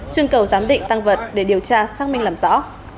chương cầu giám định tăng vật để điều tra xác minh làm rõ